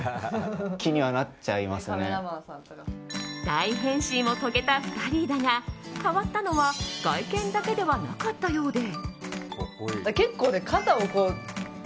大変身を遂げた２人だが変わったのは外見だけではなかったようで。